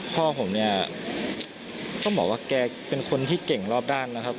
พ่อผมเนี่ยต้องบอกว่าแกเป็นคนที่เก่งรอบด้านนะครับ